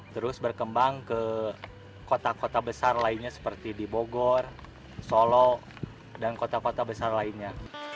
terus berkembang ke kota kota besar lainnya seperti di bogor solo dan kota kota besar lainnya